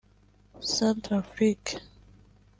Centrafrique